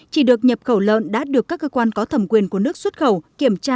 chỉ được nhập khẩu lợn đã được các cơ quan có thẩm quyền của nước xuất khẩu kiểm tra